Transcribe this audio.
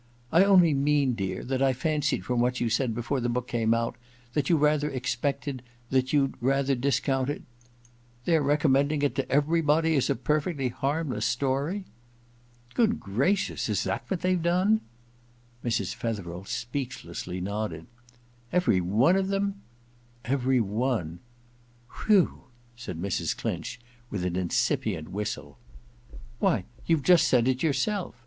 *I only mean, dear, that I fancied from what you said before the book came out — that you rather expected — that you'd rather discounted Their recommending it to everybody as a perfectly harmless story ?Good gracious I Is that what they've done ?' Mrs. Fetherel speechlessly nodded. * Every one of them ?'* Every one.' ' Whew !' said Mrs. Clinch, with an incipient whistle. *Why, you've just said it yourself!'